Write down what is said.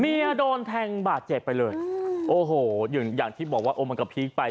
โดนแทงบาดเจ็บไปเลยโอ้โหอย่างอย่างที่บอกว่าโอ้มันก็พีคไป